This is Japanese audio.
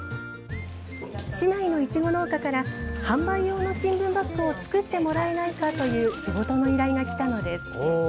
市内のいちご農家から販売用の新聞バッグを作ってもらえないかという仕事の依頼がきたのです。